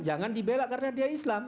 jangan dibela karena dia islam